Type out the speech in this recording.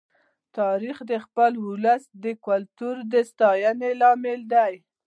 تاریخ د خپل ولس د کلتور د ساتنې لامل دی.